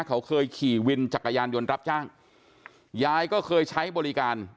เขาเคยขี่วินจักรยานยนต์รับจ้างยายก็เคยใช้บริการ